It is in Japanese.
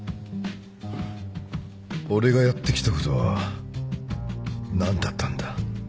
俺がやってきたことは何だったんだ。